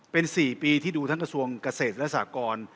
เป็น๔ปีที่ดูทั้งกระทรวงเกษตรและสากร